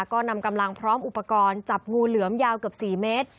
ก็นำกำลังพร้อมอุปกรณ์จับงูเหลือมยาวเกือบ๔เมตร